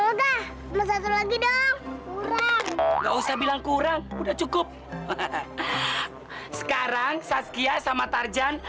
udah cuma satu lagi dong kurang nggak usah bilang kurang udah cukup sekarang saskia sama tarzan